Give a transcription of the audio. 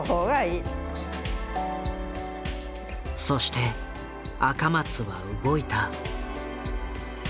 そして赤松は動いた。